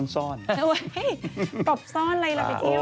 เฮ้ยตบซ่อนอะไรล่ะไปเที่ยวอยู่